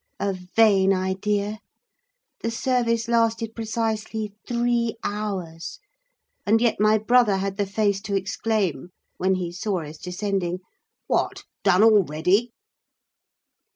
A vain idea! The service lasted precisely three hours; and yet my brother had the face to exclaim, when he saw us descending, 'What, done already?